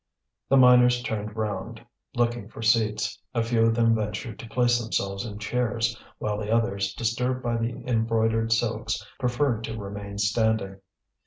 The miners turned round looking for seats. A few of them ventured to place themselves on chairs, while the others, disturbed by the embroidered silks, preferred to remain standing.